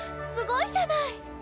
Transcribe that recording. すごいじゃない！